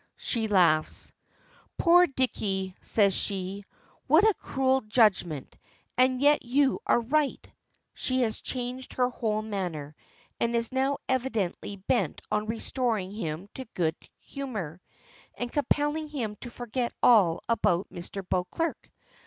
She laughs. "Poor Dicky," says she, "what a cruel judgment; and yet you are right;" she has changed her whole manner, and is now evidently bent on restoring him to good humor, and compelling him to forget all about Mr. Beauclerk.